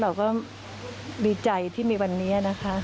เราก็ดีใจที่มีวันนี้นะคะ